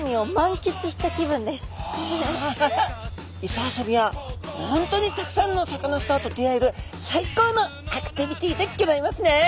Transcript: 磯遊びは本当にたくさんのサカナスターと出会える最高のアクティビティでギョざいますね。